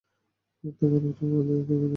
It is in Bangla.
তোমার এবং তোমার বন্ধুদের কেউ মনে রাখবেনা।